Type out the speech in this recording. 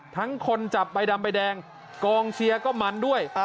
คนจับใบดำใบแดงกองเชียร์ก็มันด้วย